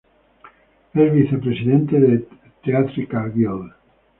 Es vicepresidente de Theatrical Guild.